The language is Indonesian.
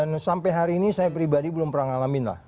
sampai hari ini saya pribadi belum pernah ngalamin lah